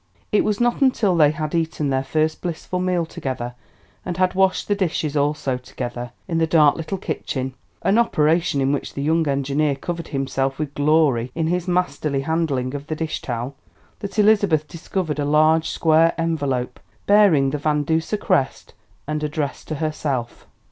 It was not until they had eaten their first blissful meal together, and had washed the dishes, also together, in the dark little kitchen an operation in which the young engineer covered himself with glory in his masterly handling of the dish towel that Elizabeth discovered a large square envelope, bearing the Van Duser crest, and addressed to herself.